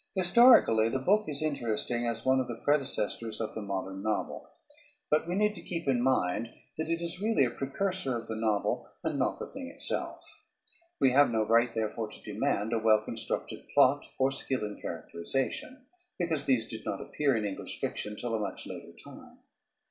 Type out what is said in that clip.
_ Historically the book is interesting as one of the predecessors of the modern novel. But we need to keep in mind that it is really a precursor of the novel and not the thing itself. We have no right, therefore, to demand a well constructed plot or skill in characterization, because these did not appear in English fiction till a much later time.